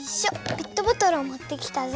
ペットボトルを持ってきたぞ。